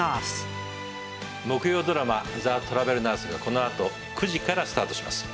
木曜ドラマ『ザ・トラベルナース』がこのあと９時からスタートします。